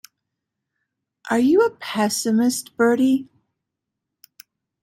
Are you a pessimist, Bertie?